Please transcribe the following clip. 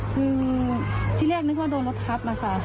คือในแรกที่นึกว่าโดนรถทับนะคะ